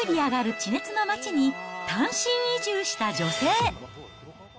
地熱の町に単身移住した女性。